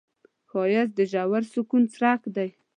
ښایست د ژور سکون څرک دی